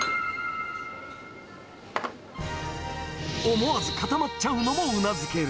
思わず固まっちゃうのもうなずける。